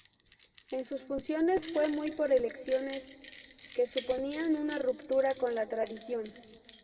En sus funciones fue muy por elecciones que suponían una ruptura con la tradición.